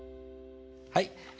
はい。